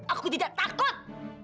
aku tidak takut